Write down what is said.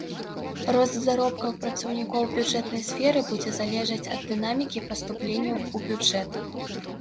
Рост заробкаў працаўнікоў бюджэтнай сферы будзе залежаць ад дынамікі паступленняў у бюджэт.